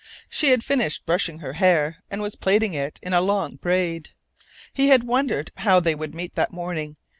She had finished brushing her hair, and was plaiting it in a long braid. He had wondered how they would meet that morning.